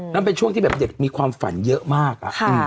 มันเป็นช่วงที่แบบเด็กมีความฝันเยอะมาก